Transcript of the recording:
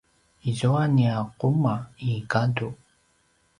izua nia quma i gadu